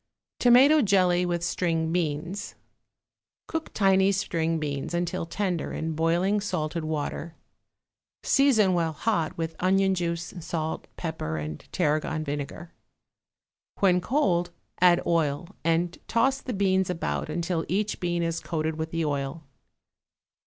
=Tomato Jelly with String Beans.= Cook tiny string beans until tender in boiling salted water; season while hot with onion juice, salt, pepper and tarragon vinegar. When cold add oil and toss the beans about until each bean is coated with the oil.